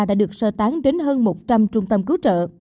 đã được sơ tán đến hơn một trăm linh trung tâm cứu trợ